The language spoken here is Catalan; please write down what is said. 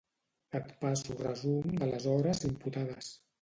Et passo resum de les hores imputades